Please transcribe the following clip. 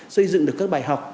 xây dựng được các bài học